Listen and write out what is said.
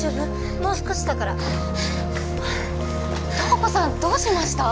もう少しだから瞳子さんどうしました？